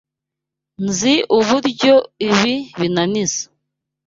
Nzi uburyo ibi binaniza.